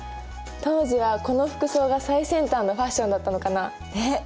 当時はこの服装が最先端のファッションだったのかなあ。ね。